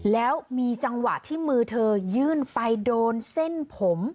แล้วมีจังหวะที่มือเธอยื่นไปโดนเส้นผม